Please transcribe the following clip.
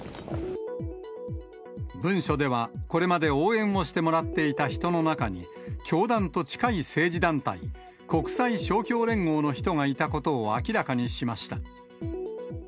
文書では、これまで応援をしてもらっていた人の中に、教団と近い政治団体、国際勝共連合の人がいたことを明らかにしました。